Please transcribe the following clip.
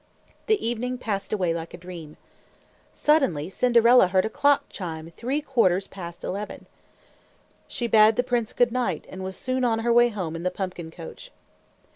The evening passed away like a dream. Suddenly Cinderella heard a clock chime three quarters past eleven. She bade the prince good night and was soon on her way home in the pumpkin coach.